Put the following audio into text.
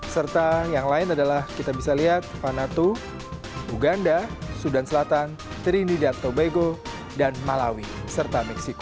serta yang lain adalah kita bisa lihat vanatu uganda sudan selatan trinida tobago dan malawi serta meksiko